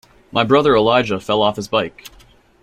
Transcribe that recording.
My brother Elijah fell off his bike.